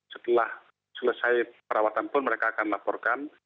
setelah selesai perawatan pun mereka akan laporkan